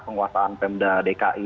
penguasaan pemda dki